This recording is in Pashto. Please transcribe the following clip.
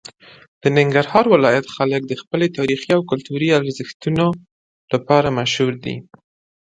د ننګرهار ولایت خلک د خپلو تاریخي او کلتوري ارزښتونو لپاره مشهور دي.